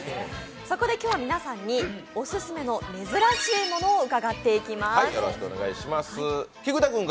そこで今日は皆さんにオススメの珍しいものを伺っていきます。